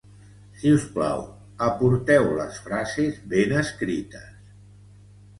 Si us plau, aporteu les frases ben escrites.